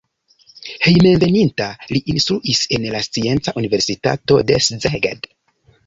Hejmenveninta li instruis en la Scienca Universitato de Szeged.